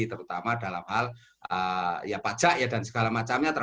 terutama dalam hal ya pajak ya dan segala macamnya